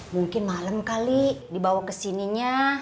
mungkin malem kali dibawa kesininya